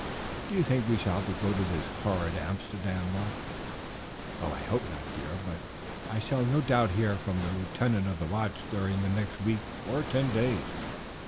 "Do you think we shall have to go to this horrid Amsterdam, Mark?" "I hope not, dear; but I shall no doubt hear from the Lieutenant of the watch during the next week or ten days."